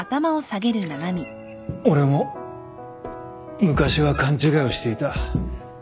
俺も昔は勘違いをしていた